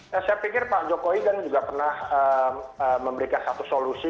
saya pikir pak jokowi kan juga pernah memberikan satu solusi